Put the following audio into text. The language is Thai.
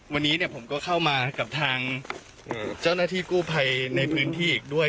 วันนี้ผมก็เข้ามากับทางเจ้าหน้าที่กู้ภัยในพื้นที่อีกด้วย